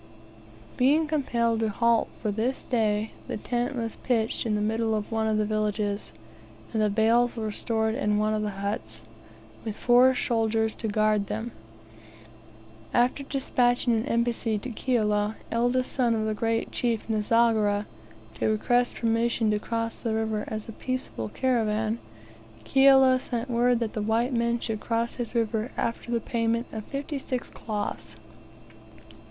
Being compelled to halt for this day, the tent was pitched in the middle of one of the villages, and the bales were stored in one of the huts, with four soldiers to guard them. After despatching an embassy to Kiala, eldest son of the great chief Nzogera, to request permission to cross the river as a peaceable caravan, Kiala sent word that the white man should cross his river after the payment of fifty six cloths!